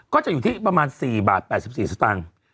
ก็จะอยู่ที่ประมาณ๔บาท๘๔สตางค์